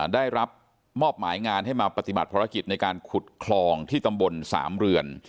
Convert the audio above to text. ได้รับมอบหมายงานให้มาปฏิบัติภารกิจในการขุดคลองที่ตำบลสามเรือน